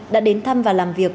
đã đến thăm và làm việc